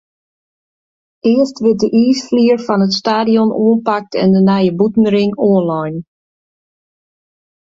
Earst wurdt de iisflier fan it stadion oanpakt en de nije bûtenring oanlein.